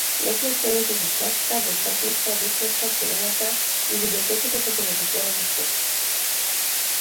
Некои од темите се смртта, бесмртноста, вечноста, вселената и библиотеката како метафора за светот.